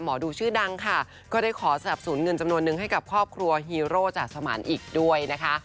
หมอดูชื่อดังค่ะก็ได้ขอสนับสนุนเงินจำนวนนึงให้กับครอบครัวฮีโร่จากสมานอีกด้วยนะคะ